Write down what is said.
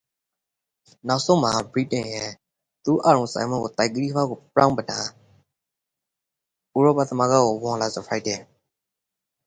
Britain finally turned its attention to the continent, joining the European Union.